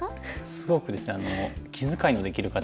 すごくですね気遣いのできる方で。